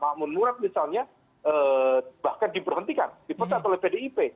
pak mun murad misalnya bahkan diperhentikan diputar oleh pdip